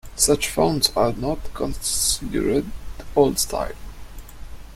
Such fonts are not considered old-style.